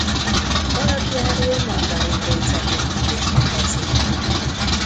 Alakjáról Mandarinréce-tónak is nevezik.